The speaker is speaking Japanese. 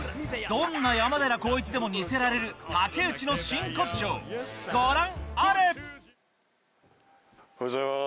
どんな山寺宏一でも似せられる武内の真骨頂ご覧あれ！